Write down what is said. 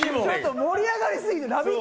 盛り上がりすぎて「ラヴィット！」